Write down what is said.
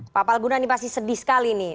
pak pal guna ini pasti sedih sekali nih